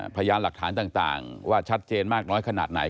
พยานหลักฐานต่างว่าชัดเจนมากน้อยขนาดไหน